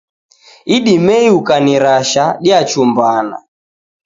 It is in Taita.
Idimei ukanirasha, diachumbana.